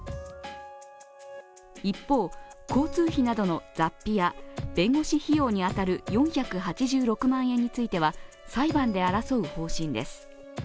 一方、交通費などの雑費や弁護士費用に当たる４８６万円については裁判で争う方針です。